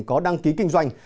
có đăng ký kinh doanh